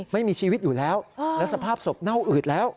ไม่มีชีวิตอยู่แล้วและสภาพศพเน่าอืดแล้ว